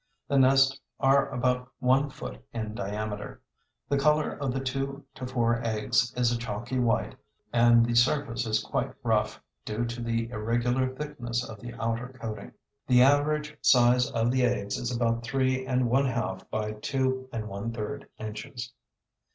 The nests are about one foot in diameter. The color of the two to four eggs is a chalky white and the surface is quite rough, due to the irregular thickness of the outer coating. The average size of the eggs is about three and one half by two and one third inches.